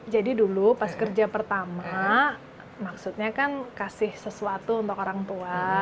jadi dulu pas kerja pertama maksudnya kan kasih sesuatu untuk orang tua